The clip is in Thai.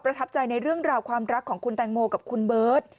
ทับใจในเรื่องราวความรักของคุณแตงโมกับคุณเบิร์ต